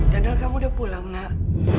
padahal kamu udah pulang nak